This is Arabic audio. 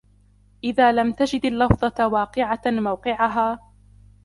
إذَا لَمْ تَجِدْ اللَّفْظَةَ وَاقِعَةً مَوْقِعَهَا